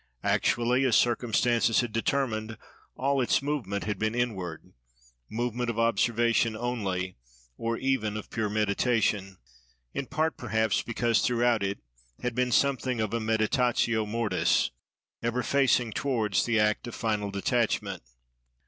Actually, as circumstances had determined, all its movement had been inward; movement of observation only, or even of pure meditation; in part, perhaps, because throughout it had been something of a meditatio mortis, ever facing towards the act of final detachment.